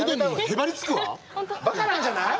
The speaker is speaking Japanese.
ばかなんじゃない？